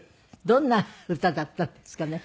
どんな歌だったんですかね？